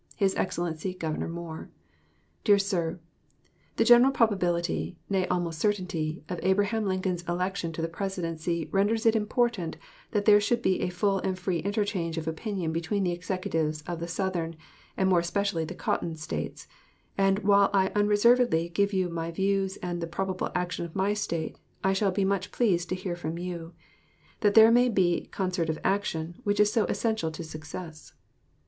His EXCELLENCY GOVERNOR MOORE. DEAR SIR: The great probability, nay almost certainty, of Abraham Lincoln's election to the Presidency renders it important that there should be a full and free interchange of opinion between the Executives of the Southern, and more especially the Cotton, States, and while I unreservedly give you my views and the probable action of my State, I shall be much pleased to hear from you; that there may be concert of action, which is so essential to success.